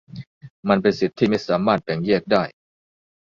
มันเป็นสิทธิที่ไม่สามารถแบ่งแยกได้